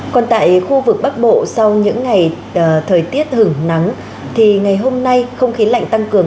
còn tại khu vực bắc bộ sau những ngày thời tiết hứng nắng thì ngày hôm nay không khí lạnh tăng cường